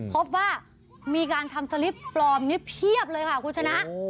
พบว่ามีการทำสลิปปลอมนี้เพียบเลยค่ะคุณชนะ